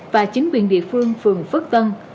và chính quyền địa phương phường phước tân